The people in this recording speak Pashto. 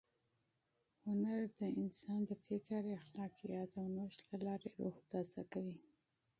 هنر د انسان د فکر، خلاقیت او نوښت له لارې روح تازه کوي.